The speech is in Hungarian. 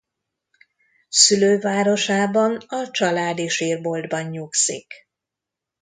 Szülővárosában a családi sírboltban nyugszik.